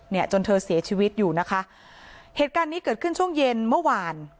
จนเธอเสียชีวิตอยู่นะคะเหตุการณ์นี้เกิดขึ้นช่วงเย็นเมื่อวาน